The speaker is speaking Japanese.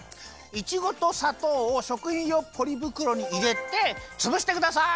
いちごとさとうをしょくひんようポリぶくろにいれてつぶしてください！